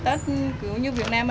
tết kiểu như việt nam